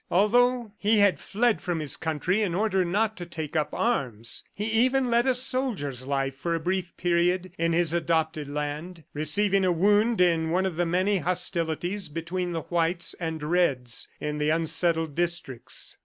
Although he had fled from his country in order not to take up arms, he even led a soldier's life for a brief period in his adopted land, receiving a wound in one of the many hostilities between the whites and reds in the unsettled districts.